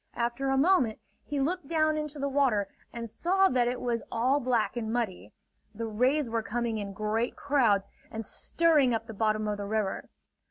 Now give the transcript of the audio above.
After a moment he looked down into the water and saw that it was all black and muddy. The rays were coming in great crowds and stirring up the bottom of the river.